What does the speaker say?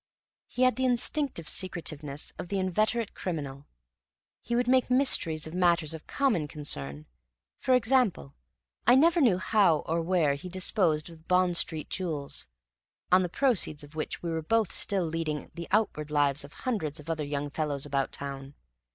He had the instinctive secretiveness of the inveterate criminal. He would make mysteries of matters of common concern; for example, I never knew how or where he disposed of the Bond Street jewels, on the proceeds of which we were both still leading the outward lives of hundreds of other young fellows about town.